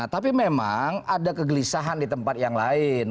tapi memang ada kegelisahan di tempat yang lain